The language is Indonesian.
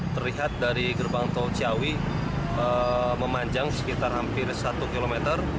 terlihat dari gerbang tol ciawi memanjang sekitar hampir satu kilometer